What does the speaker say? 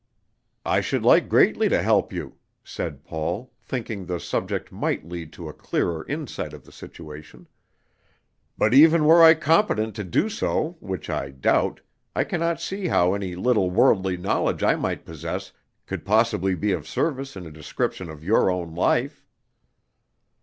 "I should like greatly to help you," said Paul, thinking the subject might lead to a clearer insight of the situation; "but even were I competent to do so, which I doubt, I can not see how any little worldly knowledge I might possess could possibly be of service in a description of your own life."